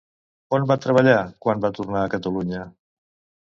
On va treballar quan va tornar a Catalunya?